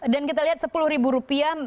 dan kita lihat rp sepuluh